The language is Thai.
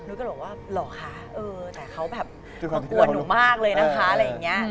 ก็บอกว่าหรอคะเออแต่เขาแบบกลัวหนูมากเลยนะคะอะไรอย่างนี้